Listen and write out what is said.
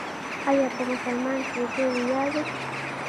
آیا په مسلمان کیدو ویاړو؟